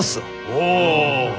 おお。